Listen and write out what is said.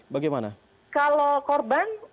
bagaimana kalau korban